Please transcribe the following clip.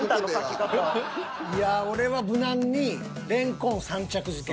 いや俺は無難にレンコン３着づけ。